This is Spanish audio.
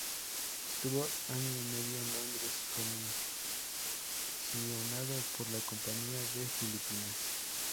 Estuvo año y medio en Londres comisionado por la Compañía de Filipinas.